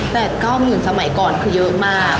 แปดเก้าหมื่นสมัยก่อนคือเยอะมาก